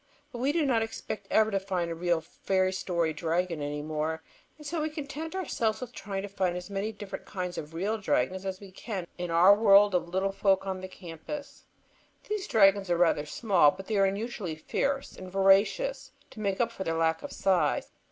But we do not expect ever to find a real fairy story dragon any more, and so we content ourselves with trying to find as many different kinds of real dragons as we can in our world of little folk on the campus. These dragons are rather small, but they are unusually fierce and voracious, to make up for their lack of size.